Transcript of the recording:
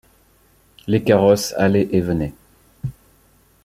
Les carrosses allaient et venaient.